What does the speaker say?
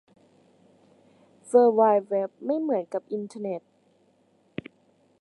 เวิล์ดไวด์เว็บไม่เหมือนกับอินเทอร์เน็ต